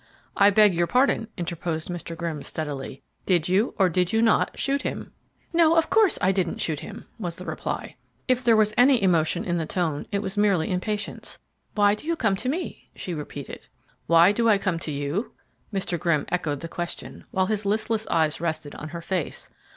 "I beg your pardon," interposed Mr. Grimm steadily. "Did you, or did you not, shoot him?" "No, of course I didn't shoot him," was the reply. If there was any emotion in the tone it was merely impatience. "Why do you come to me?" she repeated. "Why do I come to you?" Mr. Grimm echoed the question, while his listless eyes rested on her face.